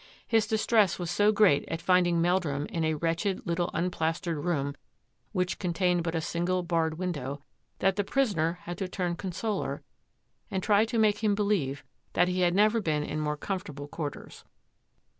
His distress was so great at finding Meldrum in a wretched little unplastered room, which contained but a single barred window, that the prisoner had to turn consoler and try to make him believe that he had never been in more com fortable quarters.